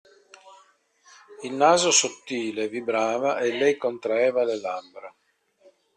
Il naso sottile vibrava e lei contraeva le labbra.